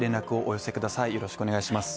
よろしくお願いします。